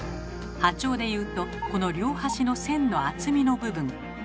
波長でいうとこの両端の線の厚みの部分。